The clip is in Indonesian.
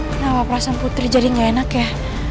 kenapa perasaan putri jadi gak enak ya